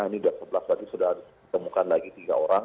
ini sudah sebelas tadi sudah ditemukan lagi tiga orang